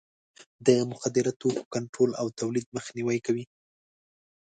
د مخدره توکو کنټرول او تولید مخنیوی کوي.